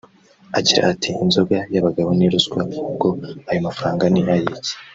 Agira ati “Inzoga y’abagabo ni ruswa…ubwo ayo mafaranga ni ay’iki